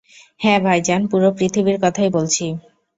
হ্যাঁ, ভাইজান, পুরো পৃথিবীর কথাই বলছি!